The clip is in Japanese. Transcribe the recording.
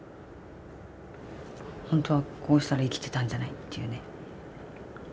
本当はこうしたら生きてたんじゃない？っていうね。